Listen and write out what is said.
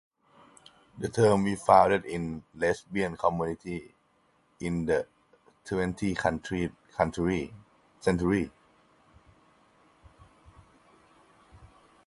The terms were founded in lesbian communities in the twentieth century.